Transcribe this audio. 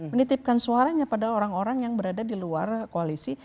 menitipkan suaranya pada orang orang yang berada di luar koalisi